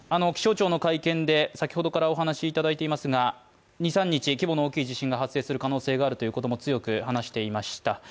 気象庁の会見で、先ほどからお話いただいていますが、二、三日規模の大きい地震が発生する可能性があるということも強く話していました。